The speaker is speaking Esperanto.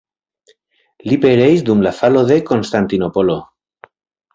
Li pereis dum la falo de Konstantinopolo.